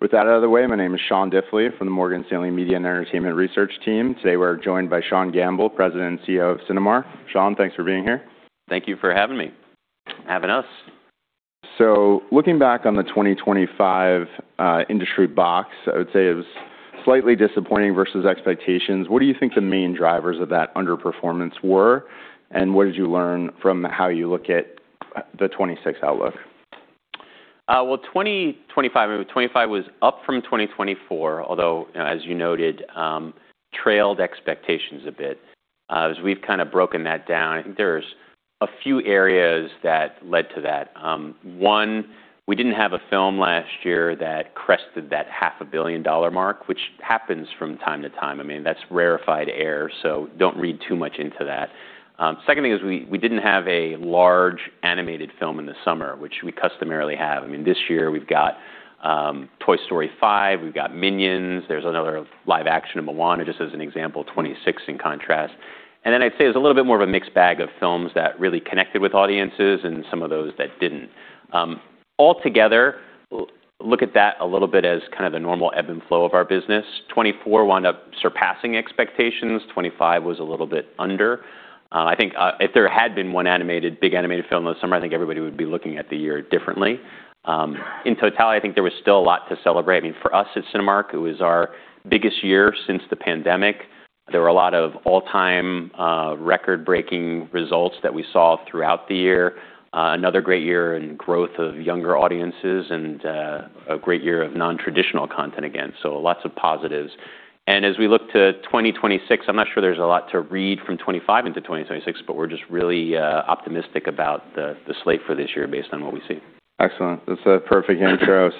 With that out of the way, my name is Sean Diffley from the Morgan Stanley Media and Entertainment Research Team. Today, we're joined by Sean Gamble, President and CEO of Cinemark. Sean, thanks for being here. Thank you for having me, having us. Looking back on the 2025, industry box, I would say it was slightly disappointing versus expectations. What do you think the main drivers of that underperformance were, and what did you learn from how you look at the 2026 outlook? Well, 2025 was up from 2024, although, as you noted, trailed expectations a bit. As we've broken that down, there's a few areas that led to that. One, we didn't have a film last year that crested that $1.5 billion mark, which happens from time to time. That's rarefied air, so don't read too much into that. Second thing is we didn't have a large animated film in the summer, which we customarily have. I mean, this year we've got Toy Story 5, we've got Minions. There's another live action of Moana, just as an example of 2060 in contrast. I'd say there's a little bit more of a mixed bag of films that really connected with audiences and some of those that didn't altogether, look at that a little bit as the normal ebb and flow of our business. 2024 wound up surpassing expectations. 2025 was a little bit under. If there had been one big animated film this summer, I think everybody would be looking at the year differently. In totality, I think there was still a lot to celebrate. I mean, for us at Cinemark, it was our biggest year since the pandemic. There were a lot of all-time, record-breaking results that we saw throughout the year. Another great year in growth of younger audiences and a great year of non-traditional content again. Lots of positives. As we look to 2026, I'm not sure there's a lot to read from 2025 into 2026, but we're just really optimistic about the slate for this year based on what we see. Excellent. That's a perfect intro.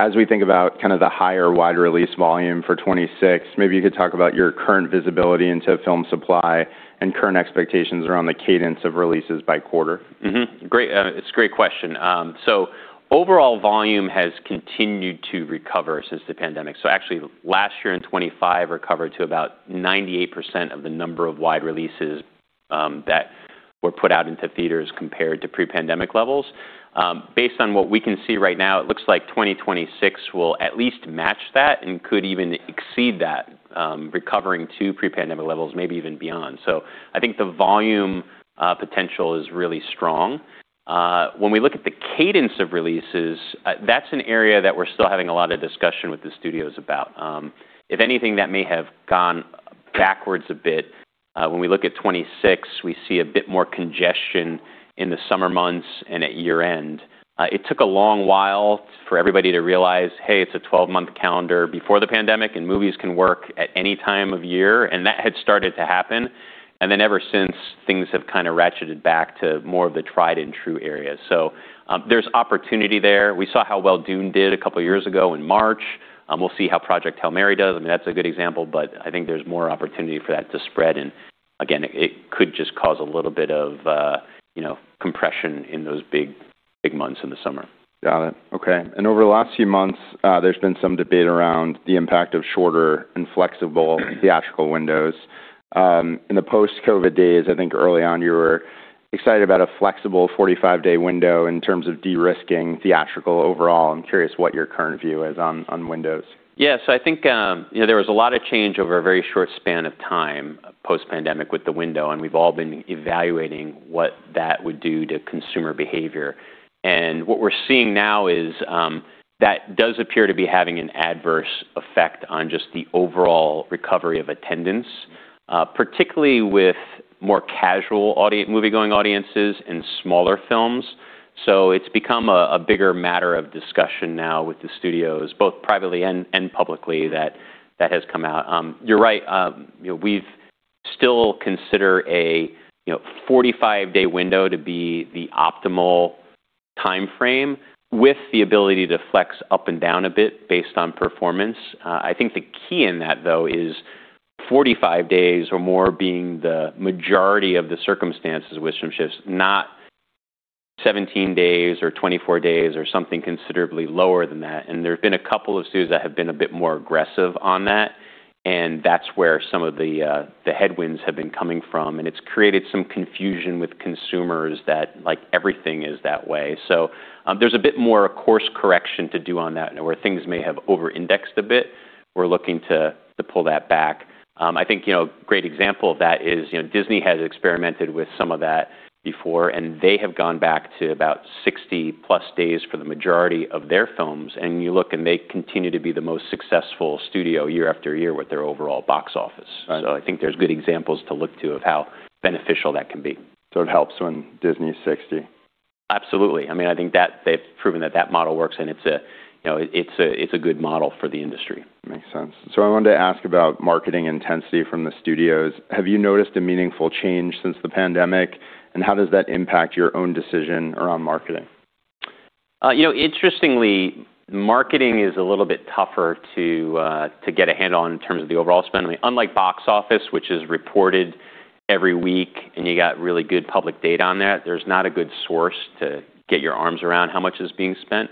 As we think about kind of the higher wide release volume for 2026, maybe you could talk about your current visibility into film supply and current expectations around the cadence of releases by quarter. Great. It's a great question. Overall volume has continued to recover since the pandemic. Actually, last year in 2025 recovered to about 98% of the number of wide releases that were put out into theaters compared to pre-pandemic levels. Based on what we can see right now, it looks like 2026 will at least match that and could even exceed that, recovering to pre-pandemic levels, maybe even beyond. I think the volume potential is really strong. When we look at the cadence of releases, that's an area that we're still having a lot of discussion with the studios about. If anything, that may have gone backwards a bit. When we look at 2026, we see a bit more congestion in the summer months and at year-end. It took a long while for everybody to realize that it's a 12-month calendar before the pandemic, and movies can work at any time of year, and that had started to happen. Then ever since, things have kind of ratcheted back to more of the tried and true areas. There's an opportunity there. We saw how well Dune did a couple years ago in March. We'll see how Project Hail Mary does. I mean, that's a good example, but I think there's more opportunity for that to spread. Again, it could just cause a little bit of, you know, compression in those big, big months in the summer. Got it. Over the last few months, there's been some debate around the impact of shorter and flexible theatrical windows. In the post-COVID days, I think early on you were excited about a flexible 45-day window in terms of de-risking theatrical overall. I'm curious what your current view is on windows. There was a lot of change over a very short span of time post-pandemic, with the window, and we've all been evaluating what that would do to consumer behavior. What we're seeing now is, that does appear to be having an adverse effect on just the overall recovery of attendance, particularly with more casual moviegoing audiences and smaller films. It's become a bigger matter of discussion now with the studios, both privately and publicly, that has come out. You're right. We've still consider a 45-day window to be the optimal timeframe with the ability to flex up and down a bit based on performance. The key in that, though, is 45 days or more being the majority of the circumstances with some shifts, not 17 days or 24 days or something considerably lower than that. There have been a couple of studios that have been a bit more aggressive on that, and that's where some of the headwinds have been coming from. It's created some confusion with consumers that everything is that way. There's a bit more a course correction to do on that and where things may have over-indexed a bit. We're looking to pull that back. A great example of that is Disney has experimented with some of that before, and they have gone back to about 60+ days for the majority of their films. You look, and they continue to be the most successful studio year after year with their overall box office. I think there are good examples to look to of how beneficial that can be. It helps when Disney is 60. Absolutely. I think that they've proven that that model works, and it's a, it's a good model for the industry. Makes sense. I wanted to ask about marketing intensity from the studios. Have you noticed a meaningful change since the pandemic, and how does that impact your own decision around marketing? Interestingly, marketing is a little bit tougher to get a handle on in terms of the overall spend. Unlike box office, which is reported every week, and you got really good public data on that, there's not a good source to get your arms around how much is being spent.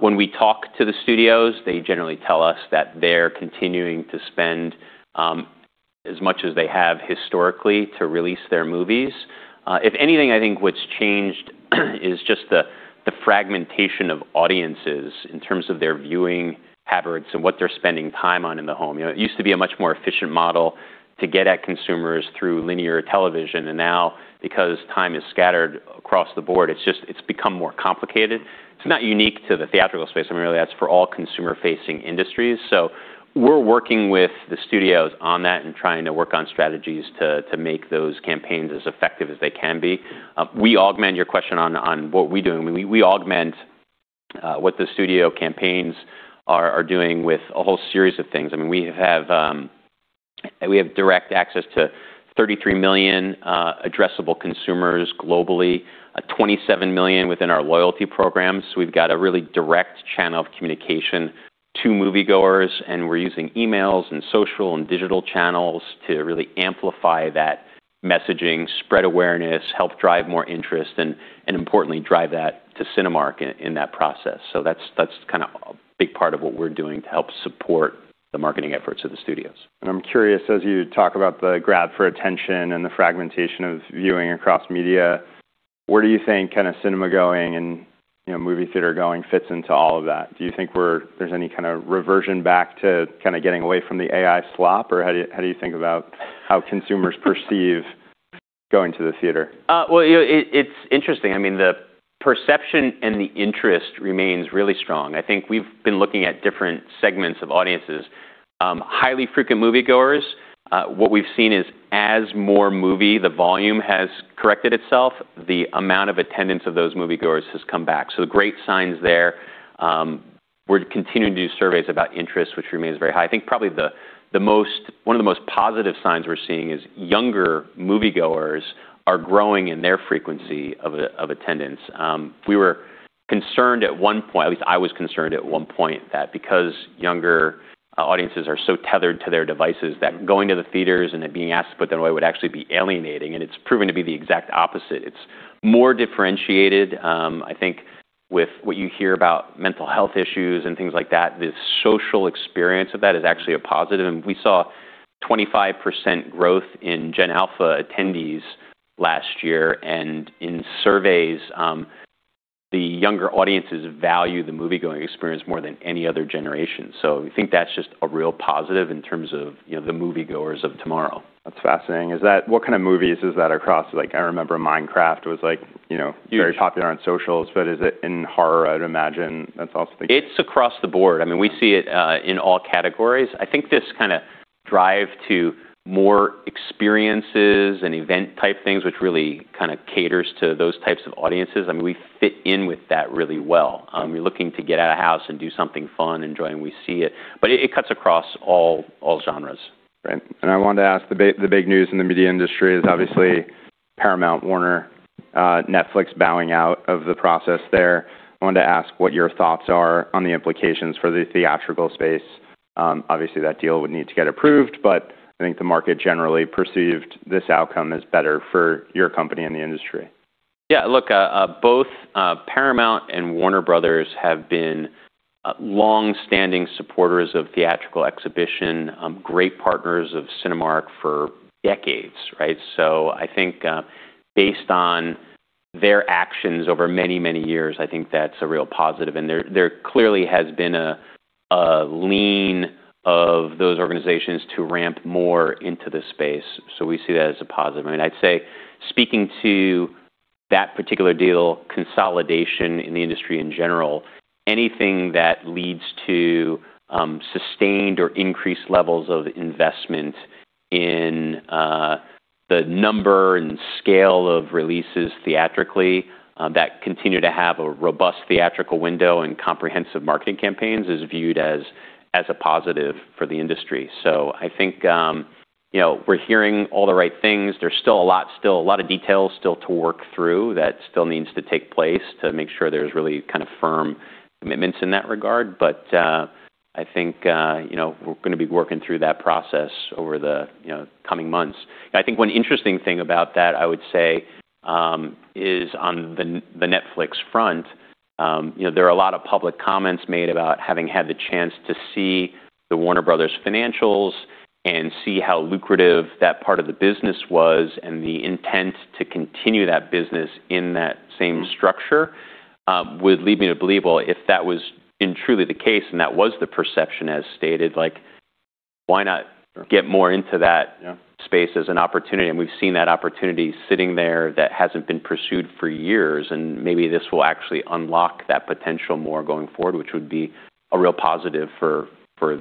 When we talk to the studios, they generally tell us that they're continuing to spend as much as they have historically to release their movies. If anything, I think what's changed is just the fragmentation of audiences in terms of their viewing habits and what they're spending time on in the home. You know, it used to be a much more efficient model to get at consumers through linear television. Now, because time is scattered across the board, it's become more complicated. It's not unique to the theatrical space. I mean, really, that's for all consumer-facing industries. We're working with the studios on that and trying to work on strategies to make those campaigns as effective as they can be. We augment your question on what we do. We augment what the studio campaigns are doing with a whole series of things. I mean, we have direct access to 33 million addressable consumers globally, 27 million within our loyalty programs. We've got a really direct channel of communication to moviegoers, and we're using emails and social and digital channels to really amplify that messaging, spread awareness, help drive more interest, and importantly, drive that to Cinemark in that process. That's kind of a big part of what we're doing to help support the marketing efforts of the studios. I'm curious, as you talk about the grab for attention and the fragmentation of viewing across media, where do you think kind of cinema-going and, you know, movie theater-going fits into all of that? Do you think there's any kind of reversion back to kind of getting away from the AI slop, or how do you think about how consumers perceive going to the theater? Well, you know, it's interesting. I mean, the perception and the interest remains really strong. I think we've been looking at different segments of audiences. Highly frequent moviegoers, what we've seen is as more movie, the volume has corrected itself, the amount of attendance of those moviegoers has come back. Great signs there. We're continuing to do surveys about interest, which remains very high. I think probably one of the most positive signs we're seeing is younger moviegoers are growing in their frequency of attendance. We were concerned at one point, at least I was concerned at one point, that because younger audiences are so tethered to their devices, that going to the theaters and then being asked to put them away would actually be alienating, and it's proven to be the exact opposite. It's more differentiated. I think with what you hear about mental health issues and things like that, the social experience of that is actually a positive. We saw 25% growth in Gen Alpha attendees last year. In surveys, the younger audiences value the moviegoing experience more than any other generation. We think that's just a real positive in terms of, you know, the moviegoers of tomorrow. That's fascinating. What movies is that across? I remember Minecraft was like very popular on socials, but is it in horror? I would imagine that's also the case. It's across the board. We see it in all categories. I think this drive to more experiences and event-type things, which really caters to those types of audiences, we fit in with that really well. You're looking to get out of house and do something fun, enjoying, we see it. It cuts across all genres. Right. I wanted to ask, the big, the big news in the media industry is obviously Paramount, Warner, Netflix bowing out of the process there. I wanted to ask what your thoughts are on the implications for the theatrical space. Obviously, that deal would need to get approved, but I think the market generally perceived this outcome as better for your company and the industry. Look, both Paramount and Warner Brothers have been longstanding supporters of theatrical exhibition, great partners of Cinemark for decades, right? I think, based on their actions over many, many years, I think that's a real positive. And there clearly has been a lean of those organizations to ramp more into the space. We see that as a positive. I mean, I'd say speaking to that particular deal, consolidation in the industry in general, anything that leads to sustained or increased levels of investment in the number and scale of releases theatrically, that continue to have a robust theatrical window and comprehensive marketing campaigns is viewed as a positive for the industry. We're hearing all the right things. There's still a lot of details still to work through that still needs to take place to make sure there's really kind of firm commitments in that regard. I think, we're gonna be working through that process over the coming months. I think one interesting thing about that, I would say, is on the Netflix front. There are a lot of public comments made about having had the chance to see the Warner Bros. financials and see how lucrative that part of the business was and the intent to continue that business in that same structure, would lead me to believe, well, if that was in truly the case, and that was the perception as stated why not get more into that space as an opportunity. We've seen that opportunity sitting there that hasn't been pursued for years, and maybe this will actually unlock that potential more going forward, which would be a real positive for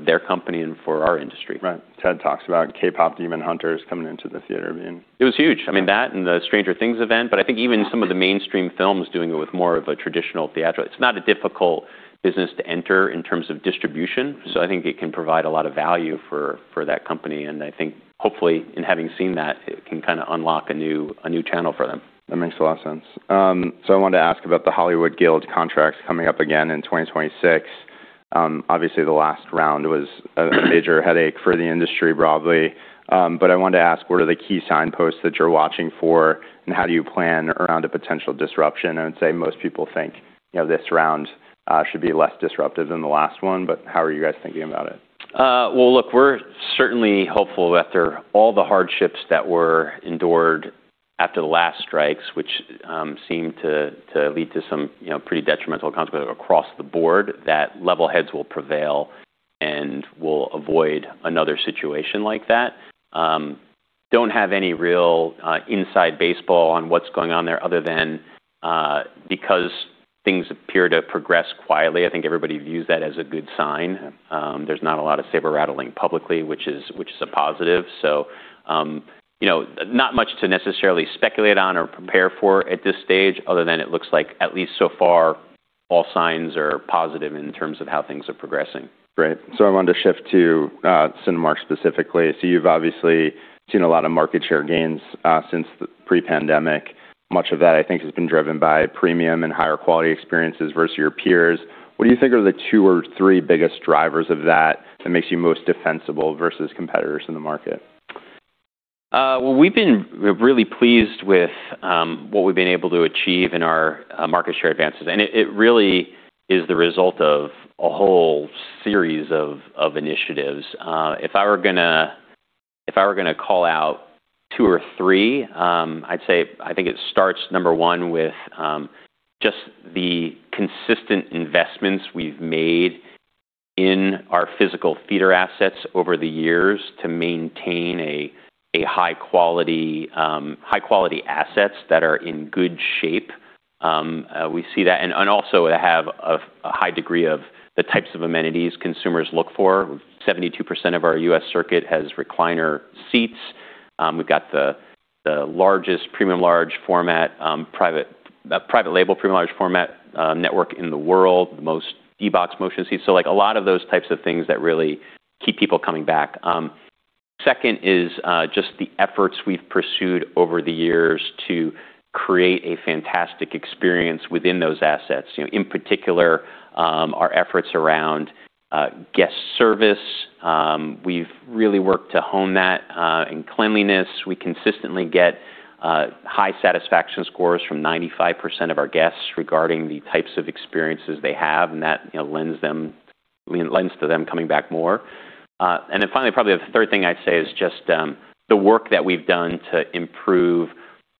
their company and for our industry. Right. Ted talks about KPop Demon Hunters coming into the theater, I mean. It was huge. I mean, that and the Stranger Things event, but I think even some of the mainstream films doing it with more of a traditional theatrical. It's not a difficult business to enter in terms of distribution. I think it can provide a lot of value for that company, and I think hopefully in having seen that it can unlock a new channel for them. That makes a lot of sense. I wanted to ask about the Hollywood Guilds contracts coming up again in 2026. Obviously the last round was a major headache for the industry broadly. I wanted to ask, what are the key signposts that you're watching for, and how do you plan around a potential disruption? I would say most people think, you know, this round should be less disruptive than the last one, but how are you guys thinking about it? Well, look, we're certainly hopeful that after all the hardships that were endured After the last strikes, which seemed to lead to some, you know, pretty detrimental consequences across the board, that level heads will prevail and we'll avoid another situation like that. Don't have any real inside baseball on what's going on there other than because things appear to have progressed quietly. I think everybody views that as a good sign. There's not a lot of saber-rattling publicly, which is a positive. Not much to necessarily speculate on or prepare for at this stage other than it looks like, at least so far, all signs are positive in terms of how things are progressing. Great. I wanted to shift to Cinemark specifically. You've obviously seen a lot of market share gains since the pre-pandemic. Much of that, I think, has been driven by premium and higher quality experiences versus your peers. What do you think are the two or three biggest drivers of that that makes you most defensible versus competitors in the market? Well, we've been really pleased with what we've been able to achieve in our market share advances, it really is the result of a whole series of initiatives. If I were gonna call out two or three, I'd say I think it starts number one with just the consistent investments we've made in our physical theater assets over the years to maintain a high quality, high quality assets that are in good shape. We see that. Also have a high degree of the types of amenities consumers look for. 72% of our U.S. circuit has recliner seats. We've got the largest premium large format, private label premium large format network in the world, the most D-BOX motion seats. A lot of those types of things that really keep people coming back. Second is just the efforts we've pursued over the years to create a fantastic experience within those assets. You know, in particular, our efforts around guest service. We've really worked to hone that in cleanliness. We consistently get high satisfaction scores from 95% of our guests regarding the types of experiences they have, and that lends to them coming back more. Finally, probably the third thing I'd say is just the work that we've done to improve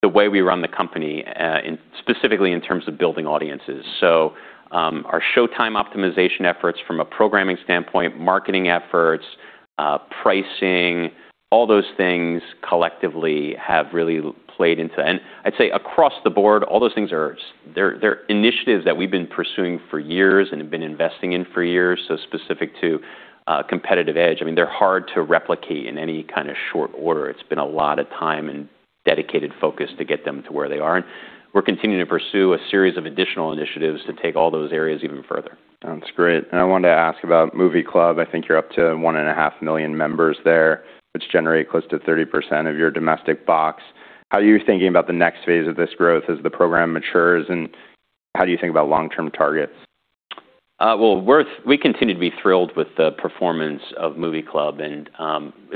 the way we run the company in specifically in terms of building audiences. Our showtime optimization efforts from a programming standpoint, marketing efforts, pricing, all those things collectively have really played into... I'd say across the board, all those things are initiatives that we've been pursuing for years and have been investing in for years, so specific to competitive edge. They're hard to replicate in any kind of short order. It's been a lot of time and dedicated focus to get them to where they are, and we're continuing to pursue a series of additional initiatives to take all those areas even further. That's great. I wanted to ask about Movie Club. I think you're up to 1.5 million members there, which generate close to 30% of your domestic box. How are you thinking about the next phase of this growth as the program matures, and how do you think about long-term targets? Well, we continue to be thrilled with the performance of Movie Club and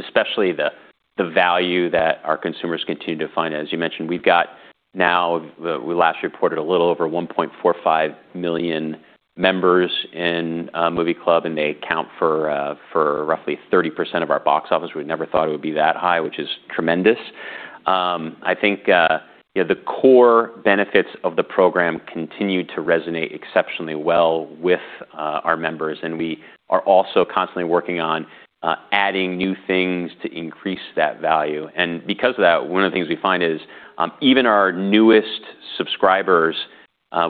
especially the value that our consumers continue to find. As you mentioned, we've got now, we last reported a little over 1.45 million members in Movie Club, and they account for roughly 30% of our box office. We never thought it would be that high, which is tremendous. I think, you know, the core benefits of the program continue to resonate exceptionally well with our members, we are also constantly working on adding new things to increase that value. Because of that, one of the things we find is, even our newest subscribers,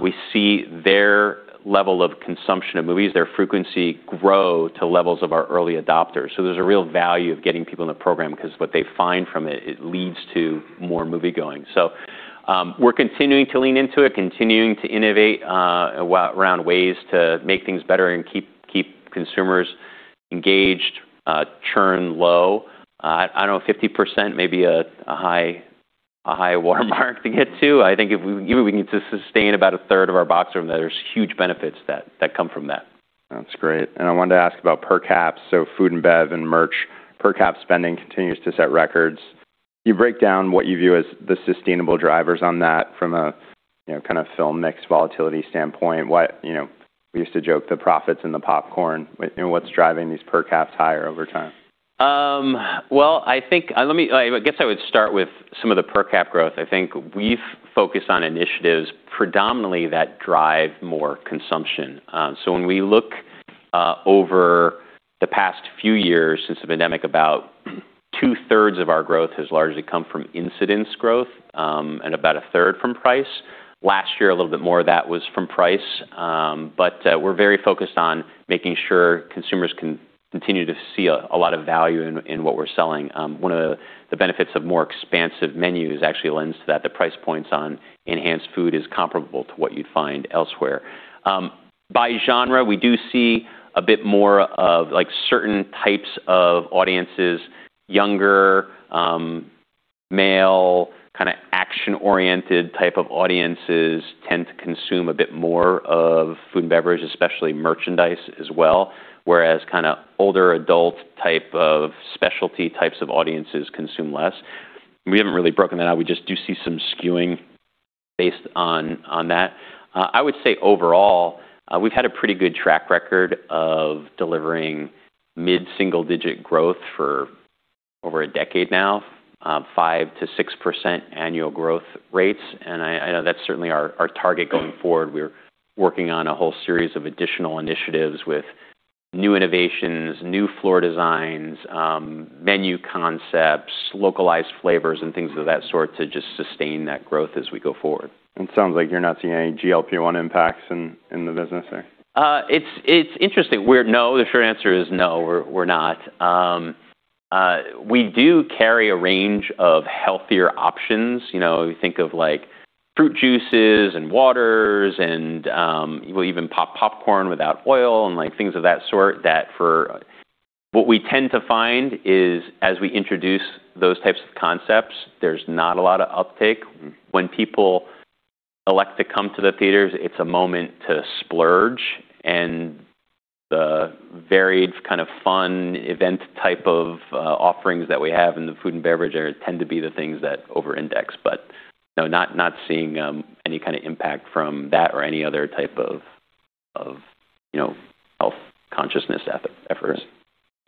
we see their level of consumption of movies, their frequency grow to levels of our early adopters. There's a real value of getting people in the program, 'cause what they find from it leads to more moviegoing. We're continuing to lean into it, continuing to innovate around ways to make things better and keep consumers engaged, churn low. I don't know, 50% may be a high watermark to get to. I think if even we can sustain about a 1/3 of our box room, there's huge benefits that come from that. That's great. I wanted to ask about per cap. Food and beverage and merch per-cap spending continues to set records. You break down what you view as the sustainable drivers on that from a film mix volatility standpoint. We used to joke the profits and the popcorn, what's driving these per caps higher over time? Well, I guess I would start with some of the per-cap growth. I think we've focused on initiatives predominantly that drive more consumption. When we look over the past few years since the pandemic, about 2/3 of our growth has largely come from incidence growth and about 1/3 from price. Last year, a little bit more of that was from price. We're very focused on making sure consumers can continue to see a lot of value in what we're selling. One of the benefits of more expansive menus actually lends to that. The price points on enhanced food is comparable to what you'd find elsewhere. By genre, we do see a bit more of certain types of audiences. Younger, male, action-oriented type of audiences tend to consume a bit more of food and beverage, especially merchandise as well. Whereas types of specialty older adult types of audiences consume less. We haven't really broken that out. We just do see some skewing based on that. I would say overall, we've had a pretty good track record of delivering mid-single-digit growth for over a decade now, 5%-6% annual growth rates. I know that's certainly our target going forward. We're working on a whole series of additional initiatives with new innovations, new floor designs, menu concepts, localized flavors and things of that sort to just sustain that growth as we go forward. It sounds like you're not seeing any GLP-1 impacts in the business there. It's interesting. No, the short answer is no, we're not. We do carry a range of healthier options. You know, if you think of like fruit juices and waters and, we'll even pop popcorn without oil and things of that sort. What we tend to find is, as we introduce those types of concepts, there's not a lot of uptake. When people elect to come to the theaters, it's a moment to splurge, and the varied fun event type of, offerings that we have in the food and beverage area tend to be the things that over-index. No, not seeing any kind of impact from that or any other type of, you know, health consciousness efforts.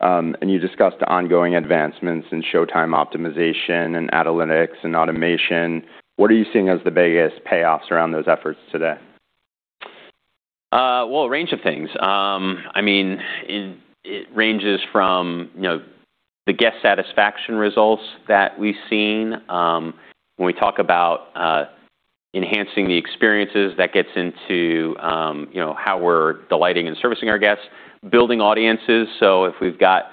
You discussed the ongoing advancements in showtime optimization and analytics and automation. What are you seeing as the biggest payoffs around those efforts today? Well, a range of things. I mean, it ranges from, you know, the guest satisfaction results that we've seen, when we talk about enhancing the experiences that gets into how we're delighting and servicing our guests, building audiences. If we've got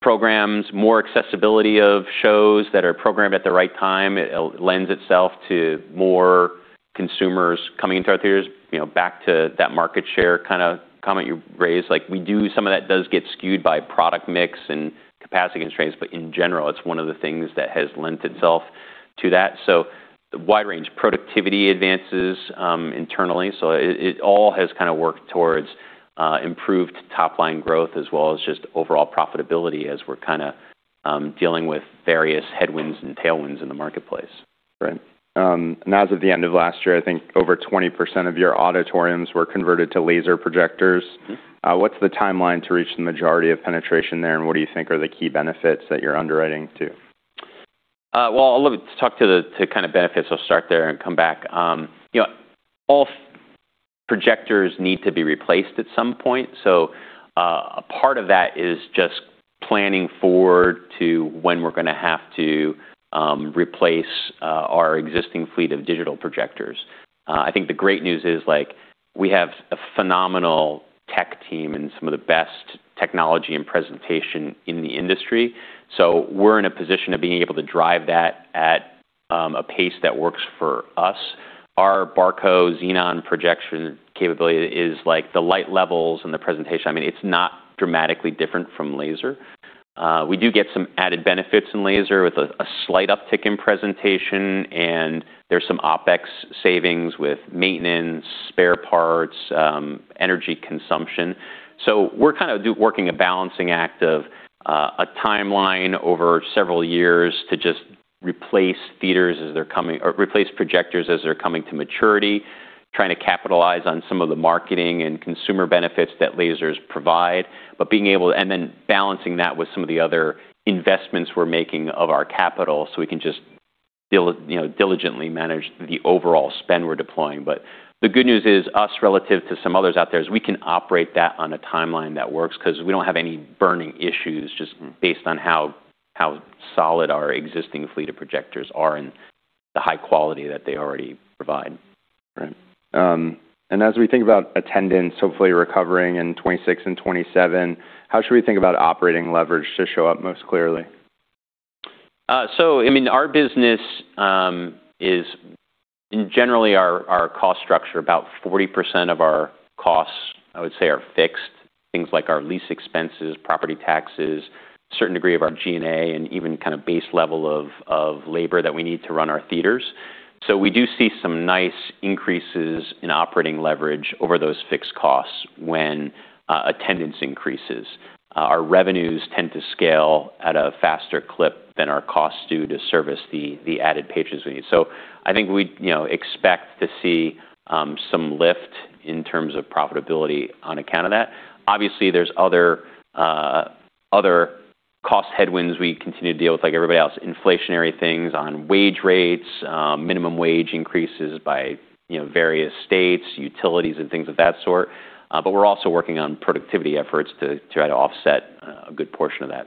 programs, more accessibility of shows that are programmed at the right time, it lends itself to more consumers coming into our theaters, you know, back to that market share comment you raised. Some of that does get skewed by product mix and capacity constraints, but in general, it's one of the things that has lent itself to that. The wide range productivity advances internally. It all has worked towards improved top-line growth as well as just overall profitability as we're dealing with various headwinds and tailwinds in the marketplace. As of the end of last year, I think over 20% of your auditoriums were converted to laser projectors. What's the timeline to reach the majority of penetration there, and what do you think are the key benefits that you're underwriting to? Well, I'd love to talk to benefits. I'll start there and come back. All projectors need to be replaced at some point. A part of that is just planning forward to when we're gonna have to replace our existing fleet of digital projectors. I think the great news is we have a phenomenal tech team and some of the best technology and presentation in the industry. We're in a position of being able to drive that at a pace that works for us. Our Barco Xenon projection capability is like the light levels and the presentation. I mean, it's not dramatically different from laser. We do get some added benefits in laser with a slight uptick in presentation, and there's some OpEx savings with maintenance, spare parts, energy consumption. We're kind of working a balancing act of a timeline over several years to just replace theaters as they're or replace projectors as they're coming to maturity, trying to capitalize on some of the marketing and consumer benefits that lasers provide, and then balancing that with some of the other investments we're making of our capital, so we can just you know, diligently manage the overall spend we're deploying. The good news is, us relative to some others out there, is we can operate that on a timeline that works 'cause we don't have any burning issues just based on how solid our existing fleet of projectors are and the high quality that they already provide. Right. As we think about attendance hopefully recovering in 2026 and 2027, how should we think about operating leverage to show up most clearly? Our business, generally our cost structure, about 40% of our costs, I would say, are fixed. Things like our lease expenses, property taxes, certain degree of our G&A, and even kind of base level of labor that we need to run our theaters. We do see some nice increases in operating leverage over those fixed costs when attendance increases. Our revenues tend to scale at a faster clip than our costs do to service the added patrons we need. I think we, you know, expect to see some lift in terms of profitability on account of that. Obviously, there's other cost headwinds we continue to deal with, like everybody else, inflationary things on wage rates, minimum wage increases by, you know, various states, utilities and things of that sort. We're also working on productivity efforts to try to offset a good portion of that.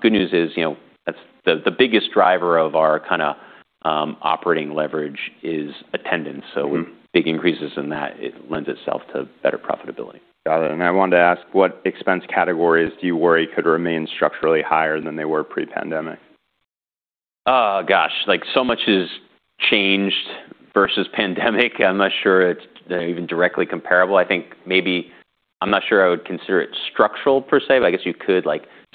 Good news is, you know, that's the biggest driver of our operating leverage is attendance. Big increases in that, it lends itself to better profitability. Got it. I wanted to ask, what expense categories do you worry could remain structurally higher than they were pre-pandemic? So much has changed versus pandemic. I'm not sure it's even directly comparable. I'm not sure I would consider it structural per se, but I guess you could.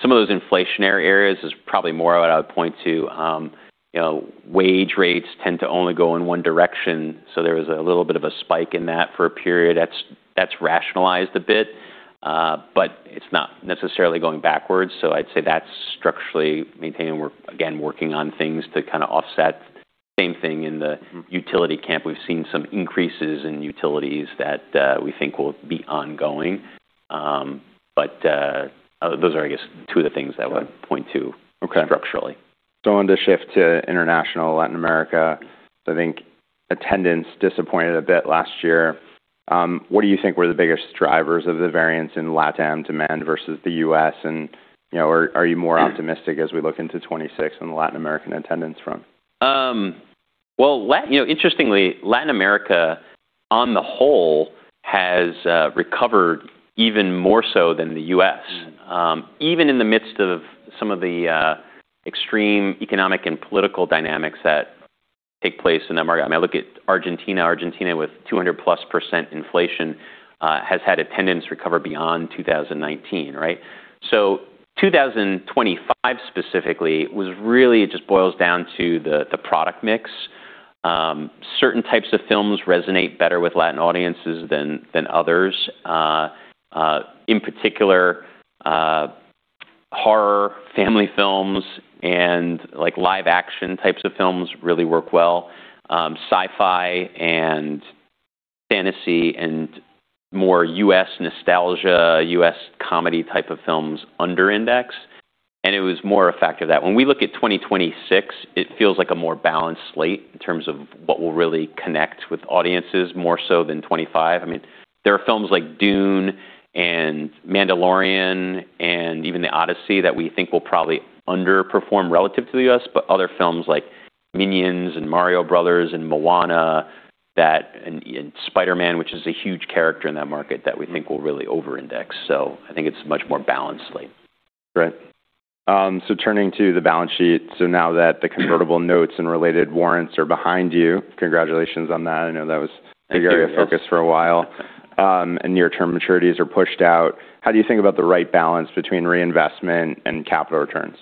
Some of those inflationary areas is probably more what I would point to. You know, wage rates tend to only go in one direction, so there was a little bit of a spike in that for a period that's rationalized a bit. It's not necessarily going backwards. I'd say that's structurally maintaining work. Again, working on things to offset. Same thing in the utility camp. We've seen some increases in utilities that we think will be ongoing. Those are, two of the things that I would point to structurally. I wanted to shift to international Latin America. I think attendance disappointed a bit last year. What do you think were the biggest drivers of the variance in LATAM demand versus the U.S. and are you more optimistic as we look into '26 from the Latin American attendance front? Well, interestingly, Latin America on the whole has recovered even more so than the U.S.. Even in the midst of some of the extreme economic and political dynamics that take place in that market. I mean, I look at Argentina. Argentina, with 200+% inflation, has had attendance recover beyond 2019, right? 2025 specifically was really it just boils down to the product mix. Certain types of films resonate better with Latin audiences than others. In particular, horror, family films, and live-action types of films really work well. Sci-fi and fantasy and more US nostalgia, U.S. comedy type of films under index, and it was more a factor that. When we look at 2026, it feels like a more balanced slate in terms of what will really connect with audiences more so than '25. I mean, there are films like Dune and Mandalorian and even The Odyssey that we think will probably underperform relative to the U.S. Other films like Minions and Mario Brothers and Moana and Spider-Man, which is a huge character in that market, that we think will really over-index. I think it's a much more balanced slate. Right. Turning to the balance sheet. Now that the convertible notes and related warrants are behind you, congratulations on that. I know. A big area of focus for a while. Near-term maturities are pushed out. How do you think about the right balance between reinvestment and capital returns?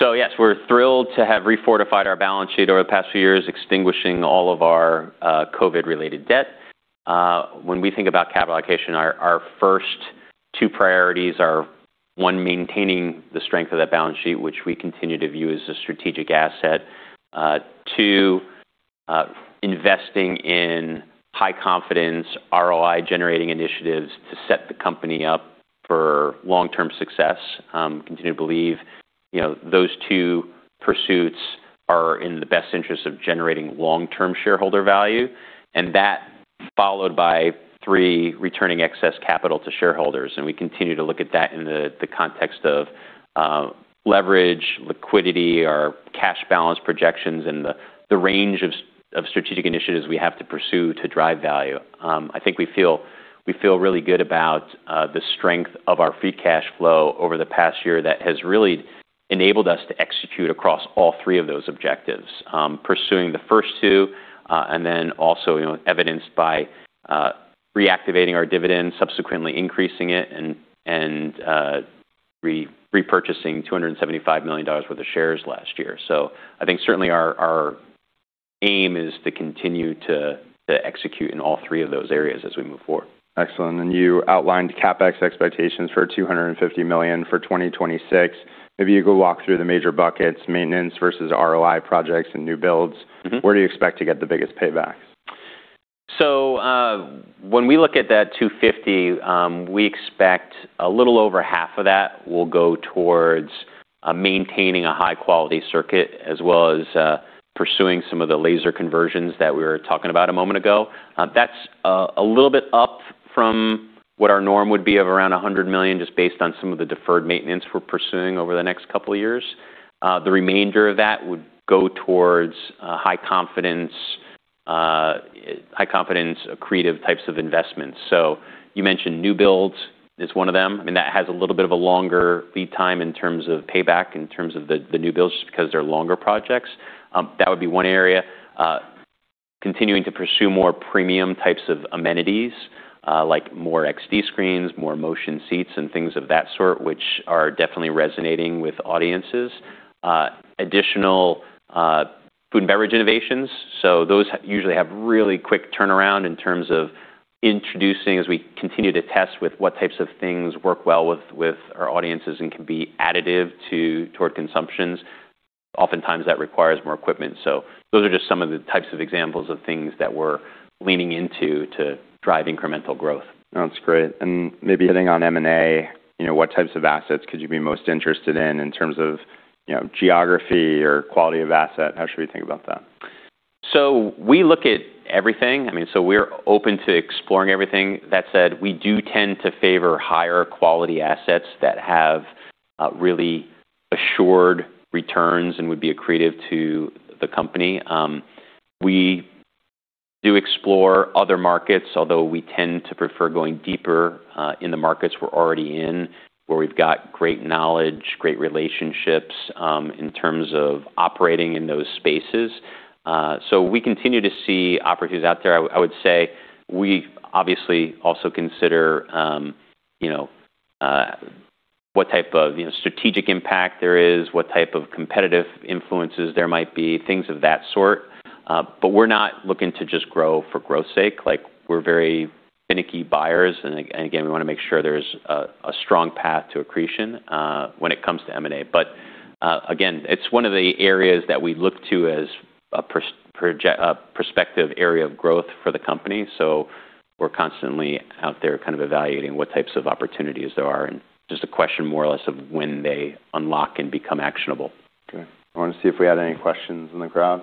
Yes, we're thrilled to have refortified our balance sheet over the past few years, extinguishing all of our COVID-related debt. When we think about capital allocation, our first two priorities are, one, maintaining the strength of that balance sheet, which we continue to view as a strategic asset. Two, investing in high-confidence ROI-generating initiatives to set the company up for long-term success. Continue to believe those two pursuits are in the best interest of generating long-term shareholder value, and that followed by, three, returning excess capital to shareholders. We continue to look at that in the context of leverage, liquidity, our cash balance projections, and the range of strategic initiatives we have to pursue to drive value. I think we feel really good about the strength of our free cash flow over the past year that has really enabled us to execute across all three of those objectives. Pursuing the first two, and then also, you know, evidenced by reactivating our dividend, subsequently increasing it and repurchasing $275 million worth of shares last year. I think certainly our aim is to continue to execute in all three of those areas as we move forward. Excellent. You outlined CapEx expectations for $250 million for 2026. Maybe you could walk through the major buckets, maintenance versus ROI projects and new builds? Where do you expect to get the biggest payback? When we look at that $250, we expect a little over half of that will go towards maintaining a high-quality circuit, as well as pursuing some of the laser conversions that we were talking about a moment ago. That's a little bit up from what our norm would be of around $100 million, just based on some of the deferred maintenance we're pursuing over the next couple of years. The remainder of that would go towards high confidence accretive types of investments. You mentioned new builds is one of them, and that has a little bit of a longer lead time in terms of payback, in terms of the new builds just because they're longer projects. That would be one area. Continuing to pursue more premium types of amenities, like more XD screens, more motion seats and things of that sort, which are definitely resonating with audiences. Additional food and beverage innovations. Those usually have really quick turnaround in terms of introducing as we continue to test with what types of things work well with our audiences and can be additive toward consumptions. Oftentimes, that requires more equipment. Those are just some of the types of examples of things that we're leaning into to drive incremental growth. That's great. Maybe hitting on M&A, what types of assets could you be most interested in in terms of, you know, geography or quality of asset? How should we think about that? We look at everything. I mean, we're open to exploring everything. That said, we do tend to favor higher-quality assets that have really assured returns and would be accretive to the company. We do explore other markets, although we tend to prefer going deeper in the markets we're already in, where we've got great knowledge, great relationships, in terms of operating in those spaces. We continue to see opportunities out there. I would say we obviously also consider, you know, what type of, you know, strategic impact there is, what type of competitive influences there might be, things of that sort. We're not looking to just grow for growth's sake. We're very finicky buyers and again, we wanna make sure there's a strong path to accretion when it comes to M&A. Again, it's one of the areas that we look to as a prospective area of growth for the company, so we're constantly out there kind of evaluating what types of opportunities there are and just a question more or less of when they unlock and become actionable. Okay. I wanna see if we had any questions in the crowd.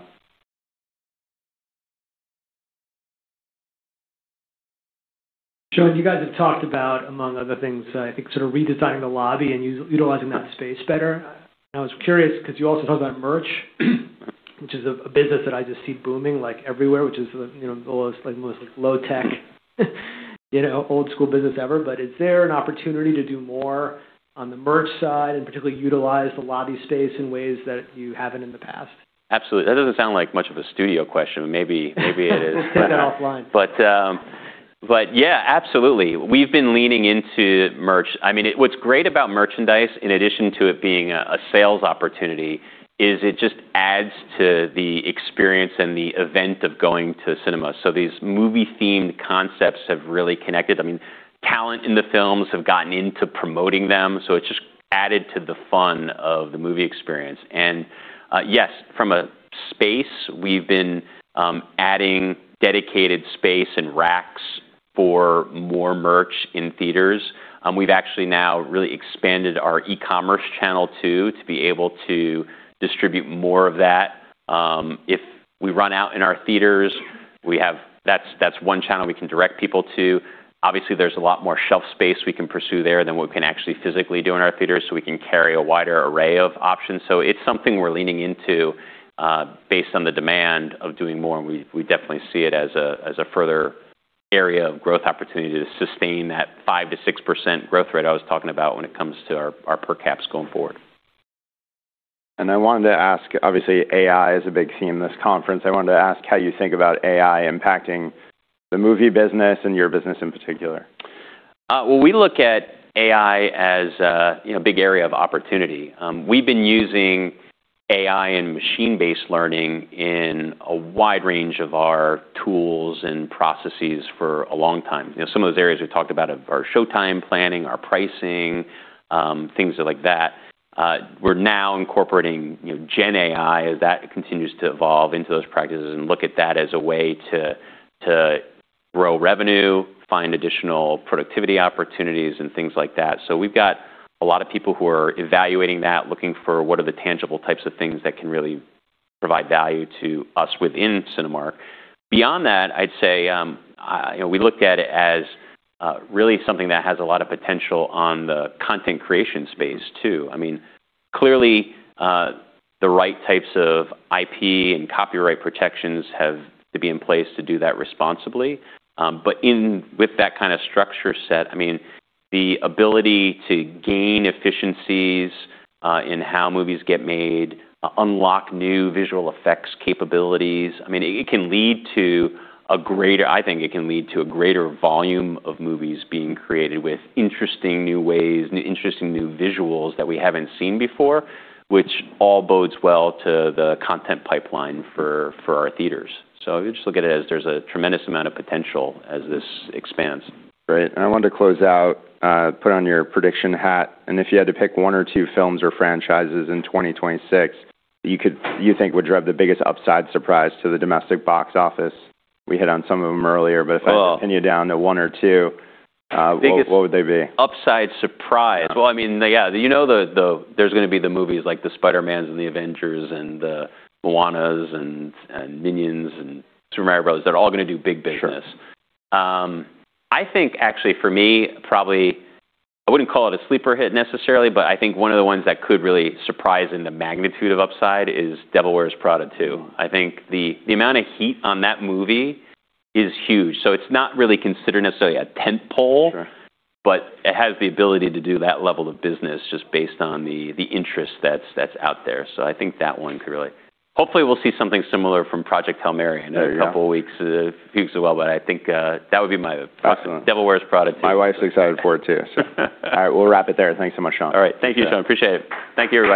Sean, you guys have talked about, among other things, I think sort of redesigning the lobby and utilizing that space better. I was curious 'cause you also talked about merch, which is a business that I just see booming like everywhere, which is, you know, almost like the most like low tech, you know, old school business ever. Is there an opportunity to do more on the merch side and particularly utilize the lobby space in ways that you haven't in the past? Absolutely. That doesn't sound like much of a studio question, but maybe it is. We'll take that offline. Absolutely. We've been leaning into merch. What's great about merchandise, in addition to it being a sales opportunity, is it just adds to the experience and the event of going to cinema. These movie-themed concepts have really connected. Talent in the films have gotten into promoting them, so it's just added to the fun of the movie experience. Yes, from a space, we've been adding dedicated space and racks for more merch in theaters. We've actually now really expanded our e-commerce channel too to be able to distribute more of that. If we run out in our theaters, That's one channel we can direct people to. Obviously, there's a lot more shelf space we can pursue there than we can actually physically do in our theaters, so we can carry a wider array of options. It's something we're leaning into, based on the demand of doing more, and we definitely see it as a further area of growth opportunity to sustain that 5%-6% growth rate I was talking about when it comes to our per caps going forward. I wanted to ask, obviously, AI is a big theme in this conference. I wanted to ask how you think about AI impacting the movie business and your business in particular? Well, we look at AI as a, you know, big area of opportunity. We've been using AI and machine-based learning in a wide range of our tools and processes for a long time. You know, some of those areas we've talked about are our showtime planning, our pricing, things like that. We're now incorporating, you know, GenAI as that continues to evolve into those practices and look at that as a way to grow revenue, find additional productivity opportunities and things like that. We've got a lot of people who are evaluating that, looking for what are the tangible types of things that can really provide value to us within Cinemark. Beyond that, I'd say, you know, we looked at it as really something that has a lot of potential on the content creation space too. I mean, clearly, the right types of IP and copyright protections have to be in place to do that responsibly. With that kind of structure set, I mean, the ability to gain efficiencies in how movies get made, unlock new visual effects capabilities. I mean, I think it can lead to a greater volume of movies being created with interesting new ways, interesting new visuals that we haven't seen before, which all bodes well to the content pipeline for our theaters. We just look at it as there's a tremendous amount of potential as this expands. Great. I wanted to close out, put on your prediction hat, and if you had to pick one or two films or franchises in 2026 that you think would drive the biggest upside surprise to the domestic box office. We hit on some of them earlier, but if I pin you down to one or two, what would they be? Biggest upside surprise. Well, there's gonna be the movies like the Spider-Mans and the Avengers and the Moanas and Minions and Super Mario Brothers that are all gonna do big business. I think actually for me, probably, I wouldn't call it a sleeper hit necessarily, but I think one of the ones that could really surprise in the magnitude of upside is The Devil Wears Prada 2. I think the amount of heat on that movie is huge. It's not really considered necessarily a tent pole but it has the ability to do that level of business just based on the interest that's out there. I think that one could really. Hopefully, we'll see something similar from Project Hail Mary in a couple weeks as well. I think that would be Devil Wears Prada 2. My wife's excited for it too, so. All right, we'll wrap it there. Thanks so much, Sean. All right. Thank you, Sean. Appreciate it. Thank you, everyone.